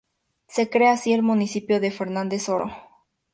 Se crea así el Municipio de Fernández Oro.